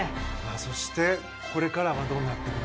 そしてこれからはどうなってるの？